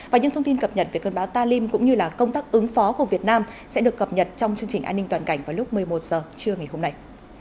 và những thông tin cập nhật về cơn bão talim cũng như công tác ứng phó của việt nam sẽ được cập nhật trong chương trình an ninh toàn cảnh vào lúc một mươi một h trưa ngày hôm nay